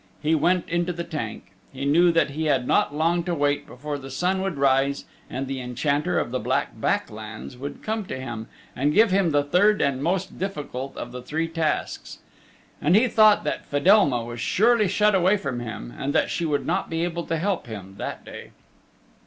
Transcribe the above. Je went into the tank. He knew that he had not long to wait before the sun would rise and the Enchanter of the Black Back Lands would come to him and give him the third and the most difficult of the three tasks. And he thought that Fedelma was surely shut away from him and that she would not be able to help him that day.